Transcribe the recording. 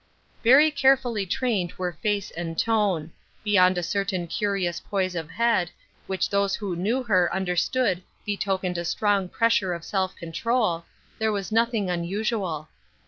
Very carefully trained were face and tone. Beyond a certain curious poise of head, which those who knew her understood betokened a strong pressure of self control, there was nothing unusual.